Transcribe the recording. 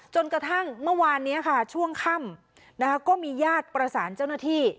จนกระทั่งเมื่อวานนี้ค่ะช่วงค่ำก็มีญาติประสานเจ้าหน้าที่